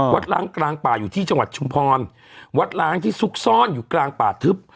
ล้างกลางป่าอยู่ที่จังหวัดชุมพรวัดล้างที่ซุกซ่อนอยู่กลางป่าทึบ